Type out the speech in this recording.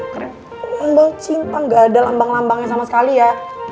keren lambol cinta nggak ada lambang lambangnya sama sekali ya